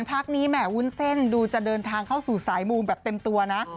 พักนี้แหมวุ้นเส้นดูจะเดินทางเข้าสู่สายมูแบบเต็มตัวนะ